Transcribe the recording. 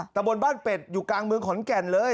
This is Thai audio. ตะบนบ้านเป็ดอยู่กลางเมืองขอนแก่นเลย